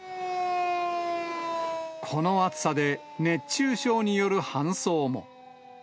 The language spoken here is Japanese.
この暑さで熱中症による搬送も。